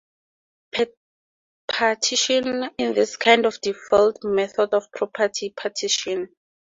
Partition in kind is a default method of property partition.